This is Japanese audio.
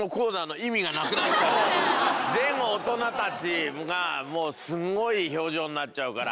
全大人たちがもうすんごい表情になっちゃうから。